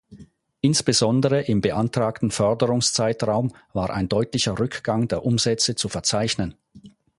Insbesondere im beantragten Förderungszeitraum war ein deutlicher Rückgang der Umsätze zu verzeichnen.